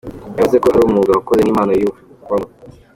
Yavuze ko ari umwuga yakoze nk’impano yiyumvamo.